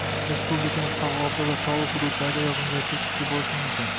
Respublikaning tog‘oldi va tog‘li hududlarida yog‘ingarchilik kuchli bo‘lishi mumkin